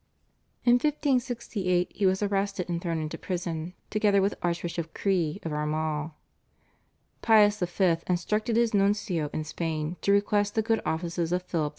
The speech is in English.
In 1568 he was arrested and thrown into prison together with Archbishop Creagh of Armagh. Pius V. instructed his nuncio in Spain to request the good offices of Philip II.